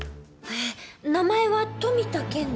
名前は富田健吾。